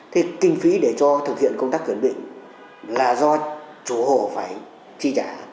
thế kinh phí để cho thực hiện công tác kiểm định là do chủ hồ phải chi trả